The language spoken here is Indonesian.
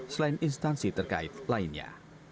selain instansi terkait lainnya